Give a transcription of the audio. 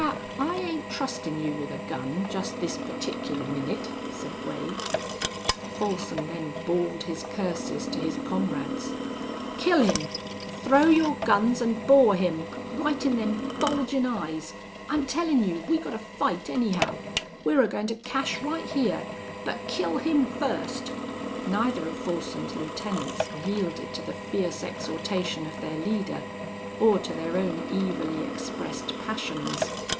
"Cap, I ain't trustin' you with a gun just this particular minute," said Wade. Folsom then bawled his curses to his comrades. "! Kill him! Throw your guns an' bore him right in them bulgin' eyes!... I'm tellin' you we've gotta fight, anyhow. We're agoin' to cash right hyar. But kill him first!" Neither of Folsom's lieutenants yielded to the fierce exhortation of their leader or to their own evilly expressed passions.